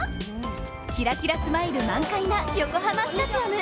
キラキラスマイル満開な横浜スタジアム。